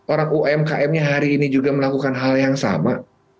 orang umkm nya hari ini juga melakukan hal yang sama